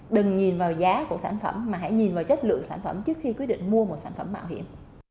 đừng nhìn vào giá của sản phẩm mà hãy nhìn vào chất lượng sản phẩm trước khi quyết định mua một sản phẩm mạo hiểm